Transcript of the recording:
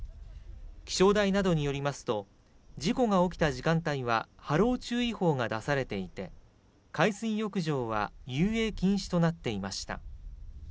気象台などによりますと事故が起きた時間帯は波浪注意報が出されていて、海水浴場は遊泳禁止となっていました。